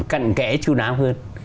cận kẽ chú đáo hơn